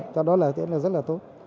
cho đó là rất là tốt